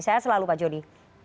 saya selalu pak jody